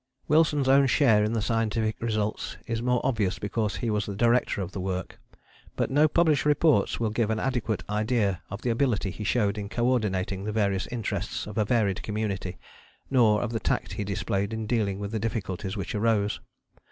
Wilson's own share in the scientific results is more obvious because he was the director of the work. But no published reports will give an adequate idea of the ability he showed in co ordinating the various interests of a varied community, nor of the tact he displayed in dealing with the difficulties which arose.